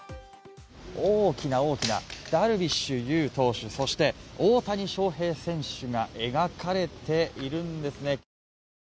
大きな大きなダルビッシュ有投手、そして大谷翔平選手が描かれているんですね。